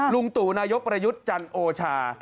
ลุงตู่นายกประยุทธ์จันโอชา